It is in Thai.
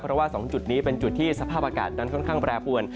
เพราะว่า๒จุดนี้เป็นจุดที่สภาพอากาศนั้นค่อนข้างแปรปวน